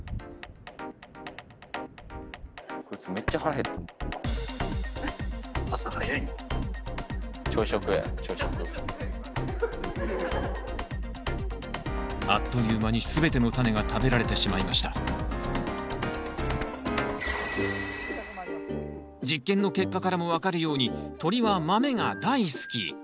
こいつあっという間に全てのタネが食べられてしまいました実験の結果からも分かるように鳥は豆が大好き。